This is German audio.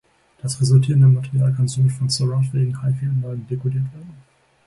Das resultierende Material kann somit von surround-fähigen Hi-Fi-Anlagen decodiert werden.